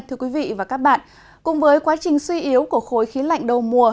thưa quý vị và các bạn cùng với quá trình suy yếu của khối khí lạnh đầu mùa